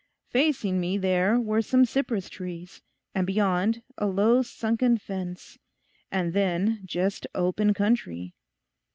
Facing me there were some cypress trees, and beyond, a low sunken fence, and then, just open country.